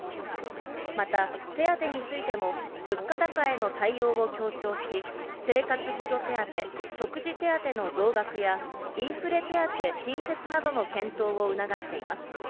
また、手当についても物価高への対応を強調し、生活補助手当、食事手当の増額や、インフレ手当新設などの検討を促しています。